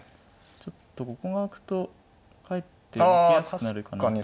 ちょっとここが空くとかえって受けやすくなるかなと思ったんで。